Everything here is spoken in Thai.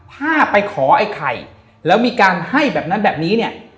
ถ้าไปขอไอ้ไข่แล้วมีการให้แบบนั้นแบบนี้เนี่ย